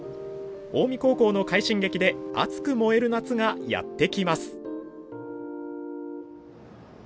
近江高校の快進撃で熱く燃える夏がやってきます！